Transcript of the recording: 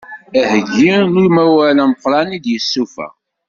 Aheggi n umawal ameqqran i d-yesuffeɣ.